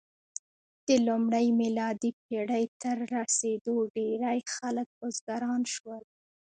د لومړۍ میلادي پېړۍ تر رسېدو ډېری خلک بزګران شول.